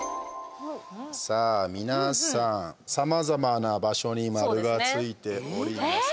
皆さん、さまざまな場所に丸がついております。